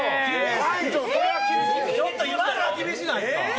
ちょっと今のはきびしないですか？